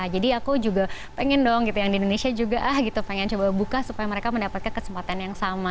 jadi aku juga pengen dong gitu yang di indonesia juga pengen coba buka supaya mereka mendapatkan kesempatan yang sama